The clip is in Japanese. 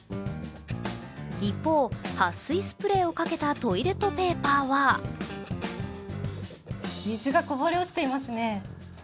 一方、はっ水スプレーをかけたトイレットペーパーは水がこぼれ落ちていますね。